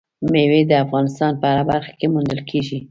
مېوې د افغانستان په هره برخه کې موندل کېږي.